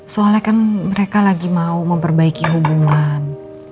soalnya kan mereka lagi mau memperbaiki hubungan